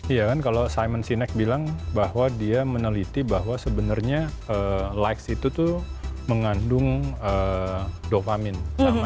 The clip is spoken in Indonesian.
iya kan kalau simon sinex bilang bahwa dia meneliti bahwa sebenarnya likes itu tuh mengandung dopamin